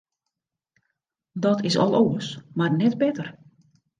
Dat is al oars, mar net better.